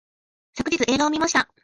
昨日映画を見ました